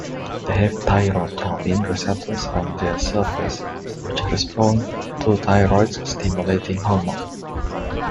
They have thyrotropin receptors on their surface, which respond to thyroid-stimulating hormone.